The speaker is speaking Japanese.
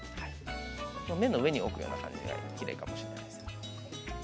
麺の上に置くような感じのほうがきれいかもしれないですね。